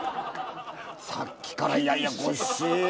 さっきからややこしい。